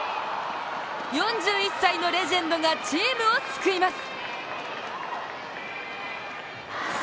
４１歳のレジェンドがチームを救います。